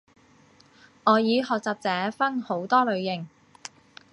外語學習者分好多類型